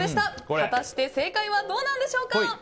果たして正解はどうなんでしょうか。